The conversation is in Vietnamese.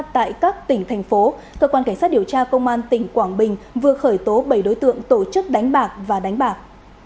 tại các tỉnh thành phố cơ quan cảnh sát điều tra công an tỉnh quảng bình vừa khởi tố bảy đối tượng tổ chức đánh bạc và đánh bạc